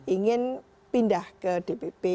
ingin pindah ke dpp